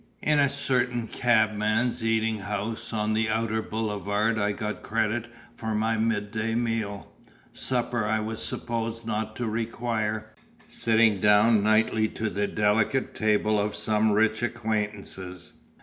In a certain cabman's eating house on the outer boulevard I got credit for my midday meal. Supper I was supposed not to require, sitting down nightly to the delicate table of some rich acquaintances.